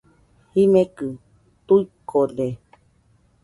Jimekɨ tuikode.